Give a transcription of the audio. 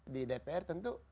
di dpr tentu